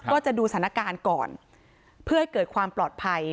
ก็จะดูสถานการณ์ก่อนเพื่อให้เกิดความปลอดภัย